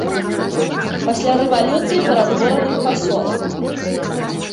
Пасля рэвалюцыі ператвораны ў пасёлак.